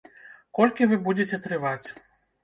Колькі вы будзеце трываць?